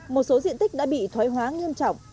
một số diện tích đã bị thoái hóa nghiêm trọng